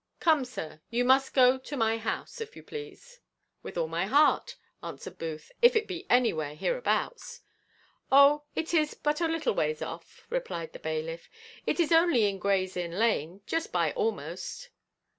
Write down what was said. Come, sir, you must go to my house, if you please." "With all my heart," answered Booth, "if it be anywhere hereabouts." "Oh, it is but a little ways off," replied the bailiff; "it is only in Gray's inn lane, just by almost."